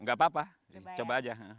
gak apa apa coba aja